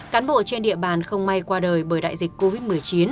cán bộ trên địa bàn không may qua đời bởi đại dịch covid một mươi chín